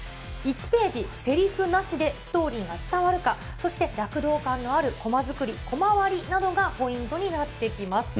１ページ、せりふなしでストーリーが伝わるか、そして躍動感のあるコマ作り、コマ割りなどがポイントになってきます。